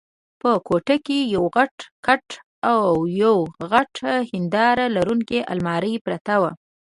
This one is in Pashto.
په کوټه کې یو غټ کټ او یوه غټه هنداره لرونکې المارۍ پرته وه.